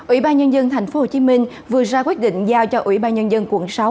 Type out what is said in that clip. ủy ban nhân dân thành phố hồ chí minh vừa ra quyết định giao cho ủy ban nhân dân quận sáu